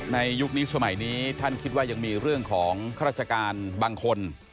ยุคนี้สมัยนี้ท่านคิดว่ายังมีเรื่องของข้าราชการบางคน